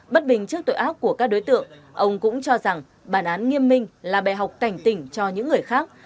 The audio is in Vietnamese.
bất bình trước tội ác của các đối tượng ông cũng cho rằng bản án nghiêm minh là bè học cảnh tỉnh cho những người khác